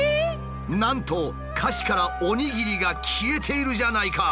なんと歌詞から「おにぎり」が消えているじゃないか。